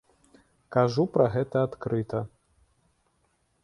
Кажу пра гэта адкрыта.